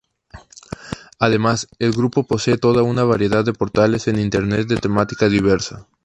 Además, el grupo posee toda una variedad de portales en Internet de temática diversa.